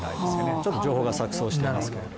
ちょっと情報が錯綜していますが。